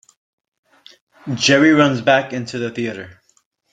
Jerry runs back into the theater.